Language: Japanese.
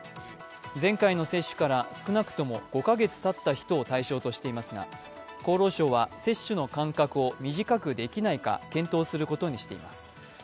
前回の接種から少なくとも５か月たった人を対象としていますが厚労省は接種の間隔を短くできないか検討することにしています。